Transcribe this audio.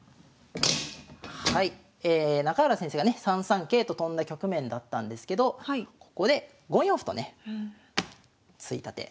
３三桂と跳んだ局面だったんですけどここで５四歩とね突いた手